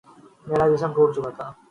میرا جسم ٹوٹ چکا تھا